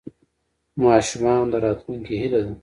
ماشومان د راتلونکي هیله ده.